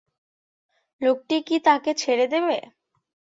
লোকটি কি তাকে ছেড়ে দেবে?